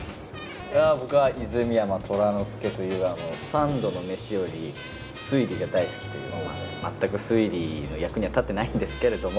いや僕は泉山虎之介という三度の飯より推理が大好きというまあ全く推理の役には立ってないんですけれども。